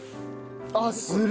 あっする！